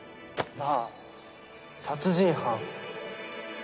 なあ殺人犯。